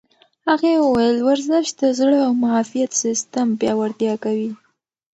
هغې وویل ورزش د زړه او معافیت سیستم پیاوړتیا کوي.